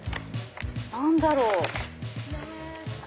何だろう？